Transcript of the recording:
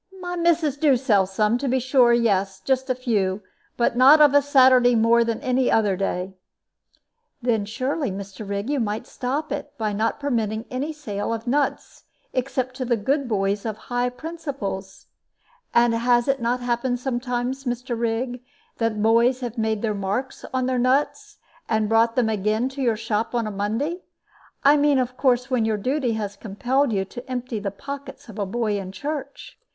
"My missus do sell some, to be sure; yes, just a few. But not of a Saturday more than any other day." "Then surely, Mr. Rigg, you might stop it, by not permitting any sale of nuts except to good boys of high principles. And has it not happened sometimes, Mr. Rigg, that boys have made marks on their nuts, and bought them again at your shop on a Monday? I mean, of course, when your duty has compelled you to empty the pockets of a boy in church."